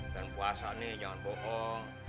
dan puasa nih jangan bohong